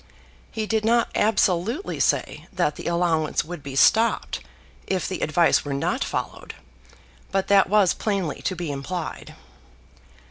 He did not absolutely say that the allowance would be stopped if the advice were not followed, but that was plainly to be implied.